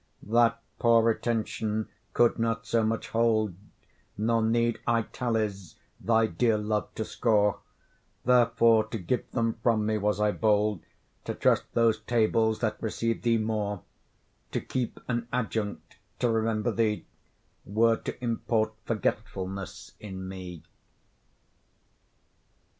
That poor retention could not so much hold, Nor need I tallies thy dear love to score; Therefore to give them from me was I bold, To trust those tables that receive thee more: To keep an adjunct to remember thee Were to import forgetfulness in me.